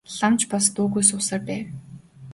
Лам ч бас дуугүй суусаар байв.